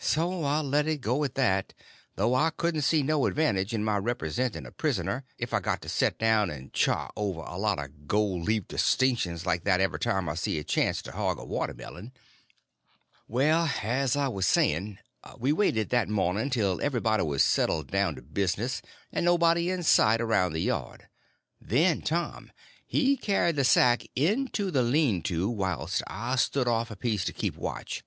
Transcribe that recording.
So I let it go at that, though I couldn't see no advantage in my representing a prisoner if I got to set down and chaw over a lot of gold leaf distinctions like that every time I see a chance to hog a watermelon. Well, as I was saying, we waited that morning till everybody was settled down to business, and nobody in sight around the yard; then Tom he carried the sack into the lean to whilst I stood off a piece to keep watch.